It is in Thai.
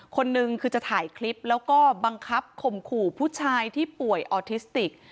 คนนึงคือจะถ่ายคลิปแล้วก็บังคับข่มขู่ผู้ชายที่ป่วยออทิสติก